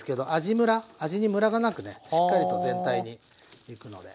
むら味にむらがなくねしっかりと全体にいくので。